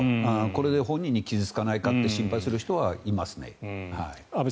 これで本人に傷がつかないかと心配する人はいます。